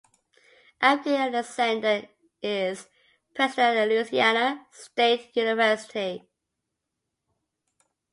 F. King Alexander is president of Louisiana State University.